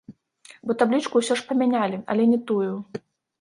Бо таблічку ўсё ж памянялі, але не тую!